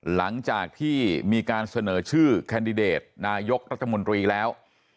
หลังจากที่มีการเสนอชื่อแคนดิเดตนายกรัฐมนตรีแล้ว